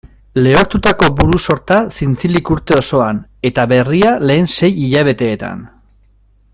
Lehortutako buru-sorta zintzilik urte osoan, eta berria lehen sei hilabeteetan.